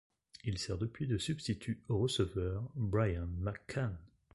Il sert depuis de substitut au receveur Brian McCann.